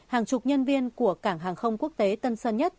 hàng chục nhân viên của cảng hàng không quốc tế tân sơn nhất